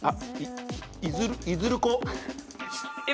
いずるこ！